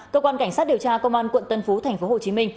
cơ quan cảnh sát điều tra công an quận tân phú tp hcm